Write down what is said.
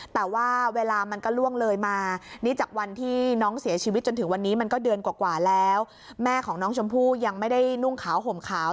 ที่น้องเสียชีวิตจนถึงวันนี้มันก็เดือนกว่าแล้วแม่ของน้องชมพู่ยังไม่ได้นุ่งขาวห่มขาว